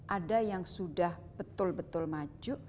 ada yang sudah betul betul maju